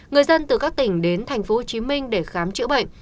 người dân từ các tỉnh đến tp hcm để khám chữa bệnh